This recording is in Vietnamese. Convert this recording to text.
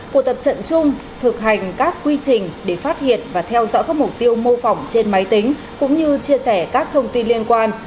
cuộc tập trận chung thực hành các quy trình để phát hiện và theo dõi các mục tiêu mô phỏng trên máy tính cũng như chia sẻ các thông tin liên quan